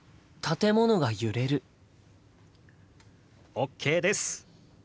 ＯＫです！